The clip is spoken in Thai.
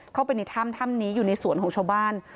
เข้าไปในถ้ำถ้ำนี้อยู่ในสวนของชาวบ้าน